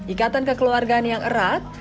ikatan kekeluargaan yang erat